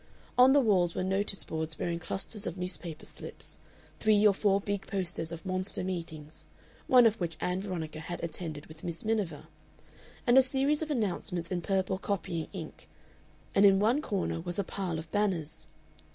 On the walls were notice boards bearing clusters of newspaper slips, three or four big posters of monster meetings, one of which Ann Veronica had attended with Miss Miniver, and a series of announcements in purple copying ink, and in one corner was a pile of banners.